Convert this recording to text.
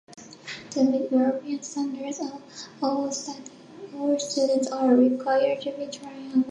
To meet European standards, all students are required to be trilingual.